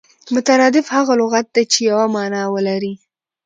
مترادف هغه لغت دئ، چي یوه مانا ولري.